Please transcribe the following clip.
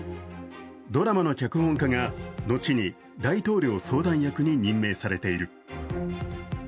ドラマの脚本家がのちに大統領相談役に任命されている。